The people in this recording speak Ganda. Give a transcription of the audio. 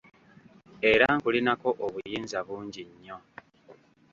Era nkulinako obuyinza bungi nnyo.